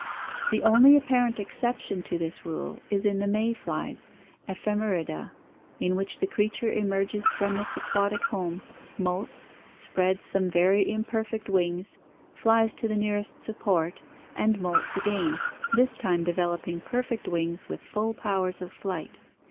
The only apparent exception to this rule is in the May flies (Ephemerida) in which the creature emerges from its aquatic home, molts, spreads some very imperfect wings, flies to the nearest support and molts again, this time de veloping perfect wings with full powers of flight.